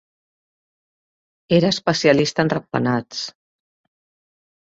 Era especialista en ratpenats.